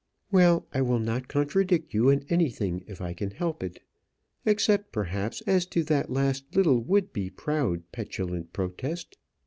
"Well; I will not contradict you in anything if I can help it, except perhaps as to that last little would be proud, petulant protest.